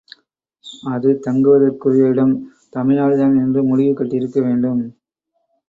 அது தங்குவதற்குரியஇடம் தமிழ்நாடுதான் என்று முடிவு கட்டியிருக்க வேண்டும்.